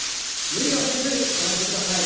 無理をせず行ってください。